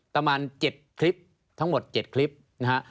ประมาณ๗คลิปทั้งหมด๗คลิปนะฮะ